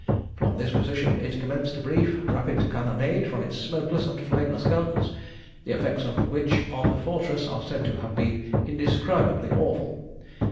From this position it commenced a brief, rapid cannonade from its smokeless and flameless guns, the effects of which on the fortress are said to have been indescribably awful.